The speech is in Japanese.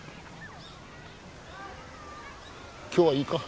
今日はいいか。